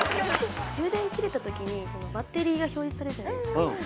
充電切れた時にバッテリーが表示されるじゃないですか。